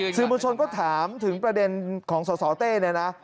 สื่อบุญชนก็ถามถึงประเด็นของสสเต้นะ